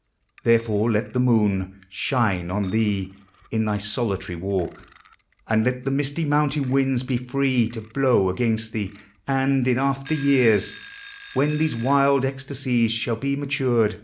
Therefore let the mOOD Shine on thee in thy solitary walk; And let the misty mountain winds 1m free To blow against thee: and, in after years, When these wild ecstasies shall be matured 16 POEMS OF NATURE.